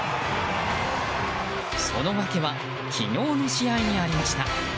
その訳は昨日の試合にありました。